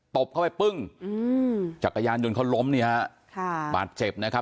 บเข้าไปปึ้งอืมจักรยานยนต์เขาล้มนี่ฮะค่ะบาดเจ็บนะครับ